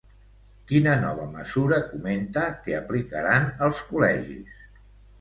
Quina nova mesura comenta que aplicaran els col·legis?